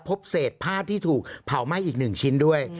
พบเศษผ้าที่ถูกเผาไหม้อีก๑ชิ้นด้วย